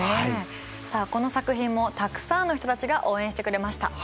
さあこの作品もたくさんの人たちが応援してくれました。